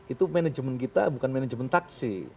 itu manajemen kita bukan manajemen taksi